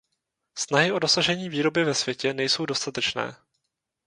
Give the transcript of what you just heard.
Snahy o dosažení výroby ve světě nejsou dostatečné.